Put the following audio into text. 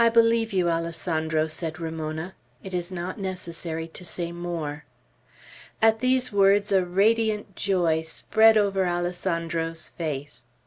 "I believe you, Alessandro," said Ramona. "It is not necessary to say more." At these words a radiant joy spread over Alessandro's face.